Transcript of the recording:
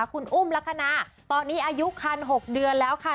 คุณอุ้มลักษณะตอนนี้อายุคัน๖เดือนแล้วค่ะ